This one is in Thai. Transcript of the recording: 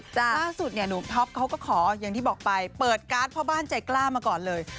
ล่าสุดเนี่ยหนูท็อปเขาก็ขออย่างที่บอกไปเปิดการ์ดพ่อบ้านใจกล้ามาก่อนเลย